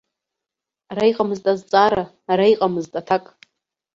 Ара иҟамызт азҵаара, ара иҟамызт аҭак.